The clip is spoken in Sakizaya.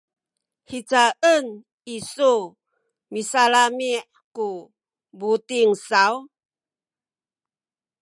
hicaen isu misalami’ ku buting saw?